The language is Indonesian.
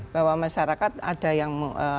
bahwa masyarakat ada yang